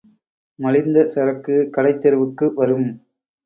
மலிந்த சரக்கு கடைத் தெருவுக்கு வரும்.